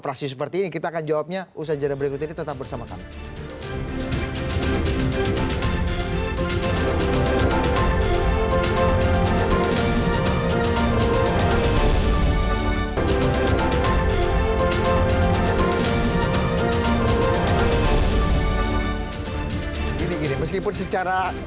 akan mengejar itu semua